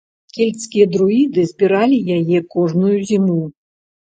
Кельцкія друіды збіралі яе кожную зіму.